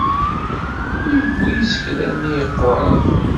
Yebbi isekla-nni yeqquren.